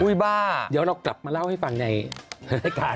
บ้าเดี๋ยวเรากลับมาเล่าให้ฟังในรายการ